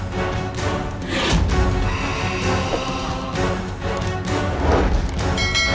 kamu tak bisa